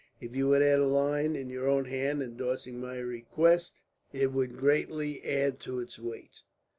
If you would add a line in your own hand, endorsing my request, it would greatly add to its weight."